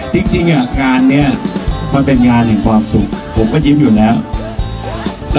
จริงงานนี้มันเป็นงานของความสุข